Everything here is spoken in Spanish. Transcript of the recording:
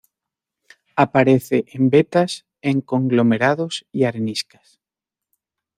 Aparece en vetas en conglomerados y areniscas.